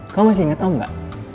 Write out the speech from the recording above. kamu masih inget om nggak